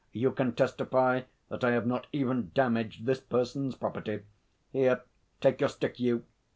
You can testify that I have not even damaged this person's property. (Here! take your stick, you!)